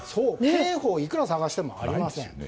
刑法いくら探してもありません。